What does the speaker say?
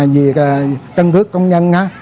việc căn cước công nhân